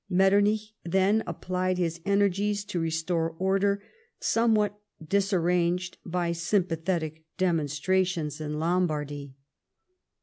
Metternich then applied his energies to restore order, somewhat dis arranged by sympathetic demonstrations, in Lorabardy.